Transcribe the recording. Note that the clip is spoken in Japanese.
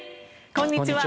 こんにちは。